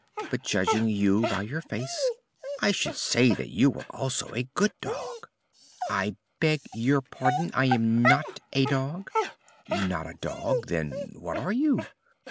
But, judging you by your face, I should say that you were also a good dog." "I beg your pardon, I am not a dog." "Not a dog? Then what are you?"